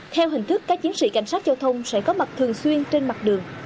theo hình thức các chiến sĩ cảnh sát giao thông sẽ có mặt thường xuyên trên mặt đường